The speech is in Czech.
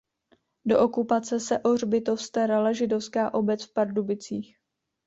Do okupace se o hřbitov starala židovská obec v Pardubicích.